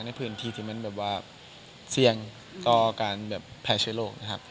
ในพื้นที่มันเสี่ยงกับแผลเชื้อโรค